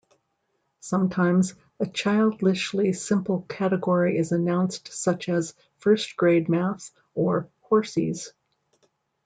Sometimes, a childishly simple category is announced, such as "First Grade Math" or "Horsies".